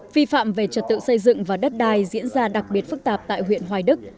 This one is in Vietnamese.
vi phạm về trật tự xây dựng và đất đai diễn ra đặc biệt phức tạp tại huyện hoài đức